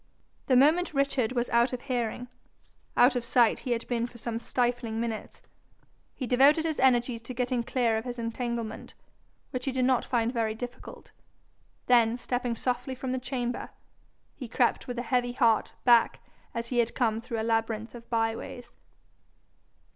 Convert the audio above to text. The moment Richard was out of hearing out of sight he had been for some stifling minutes he devoted his energies to getting clear of his entanglement, which he did not find very difficult; then stepping softly from the chamber, he crept with a heavy heart back as he had come through a labyrinth of by ways.